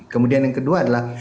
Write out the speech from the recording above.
kemudian yang kedua adalah